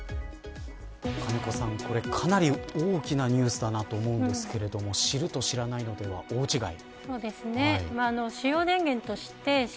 金子さん、これかなり大きなニュースだなと思うんですが知ると知らないのとでは大違い。